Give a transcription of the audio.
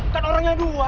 kan orangnya dua